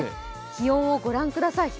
気温をご覧ください